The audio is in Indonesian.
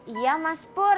iya mas pur